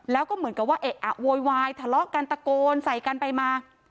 แล้วก็เหมือนกับว่าเอ๊ะอะโวยวายทะเลาะกันตะโกนใส่กันไปมา